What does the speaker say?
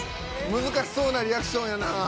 難しそうなリアクションやなあ。